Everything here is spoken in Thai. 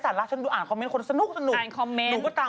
บอกก่อนตอนไหนอ่ะรอดปอดแหละ